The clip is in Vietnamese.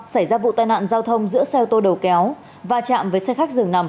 xảy ra vụ tai nạn giao thông giữa xe ô tô đầu kéo và chạm với xe khách dường nằm